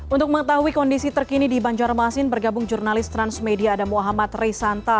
untuk mengetahui kondisi terkini di banjarmasin bergabung jurnalis transmedia ada muhammad risanta